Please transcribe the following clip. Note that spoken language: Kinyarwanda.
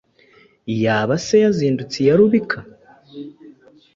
Yaba se yazindutse iya rubika?